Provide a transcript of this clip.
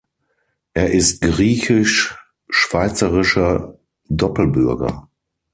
Er ist griechisch-schweizerischer Doppelbürger.